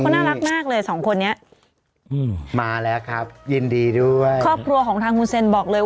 น่ารักมากเลยสองคนนี้อืมมาแล้วครับยินดีด้วยครอบครัวของทางคุณเซนบอกเลยว่า